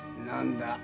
何だ？